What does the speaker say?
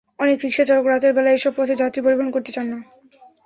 অনেক রিকশাচালক রাতের বেলা এসব পথে যাত্রী পরিবহন করতে চান না।